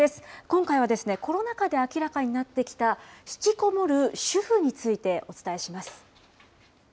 今回は、コロナ禍で明らかになってきた、引きこもる主婦について、お伝えします。